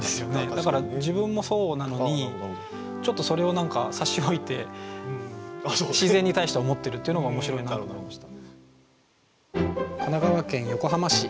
だから自分もそうなのにちょっとそれを何か差し置いて自然に対して思ってるっていうのが面白いなと思いました。